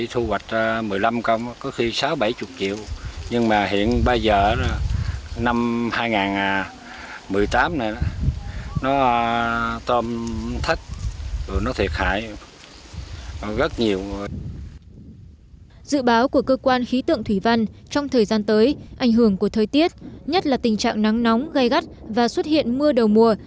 trong thời gian tới ảnh hưởng của thời tiết nhất là tình trạng nắng nóng gây gắt và xuất hiện mưa đầu mùa